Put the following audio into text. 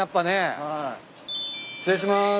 失礼します。